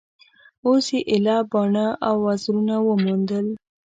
اوس یې ایله باڼه او وزرونه وموندل